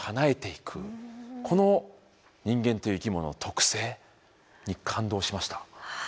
この人間という生き物の特性に感動しました。